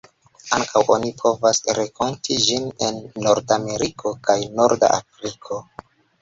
Ankaŭ oni povas renkonti ĝin en Nordameriko kaj norda Afriko.